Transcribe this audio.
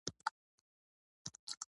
ستونزو ته نوې حل لارې لټول څه ته وایي؟